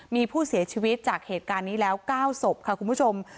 มีผู้เสียชีวิตจากเหตุการณ์นี้แล้ว๙ศพค่ะคุณผู้ชม